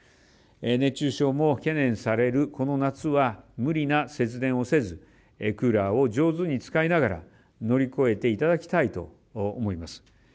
熱中症も懸念されるこの夏は無理な節電をせずクーラーを上手に使いながら乗り越えていただきたいと思います。